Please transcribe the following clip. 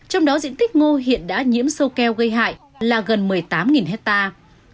trong đó diện tích ngô hiện đã nhiễm sâu keo gây hại là gần một mươi tám hectare